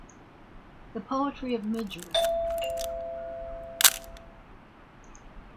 The poetry of Mgr.